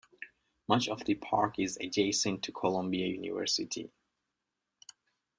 Much of the park is adjacent to Columbia University.